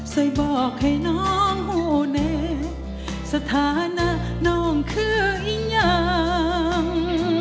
ใส่บอกให้น้องหัวในสถานะน้องเครื่องอิงหยัง